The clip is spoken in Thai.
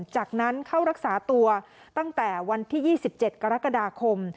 จากนั้นเข้ารักษาตัวตั้งแต่วันที่๒๗กรกฎาคม